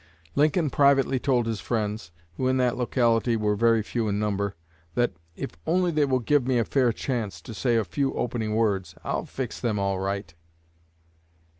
Lincoln privately told his friends, who in that locality were very few in number, that "if only they will give me a fair chance to say a few opening words, I'll fix them all right."